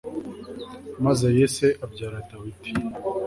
maze yese abyara dawudi